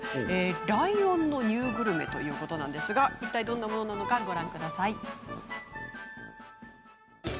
ライオンのニューグルメということですがいったいどんなものなのかご覧ください。